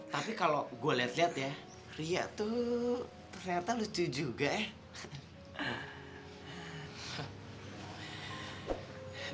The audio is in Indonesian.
tapi kalo gue liat liat ya ria tuh ternyata lucu juga ya